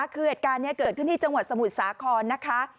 คือเหตุการณ์นี้เกิดขึ้นที่จังหวัดสมุทรสาครนะคะ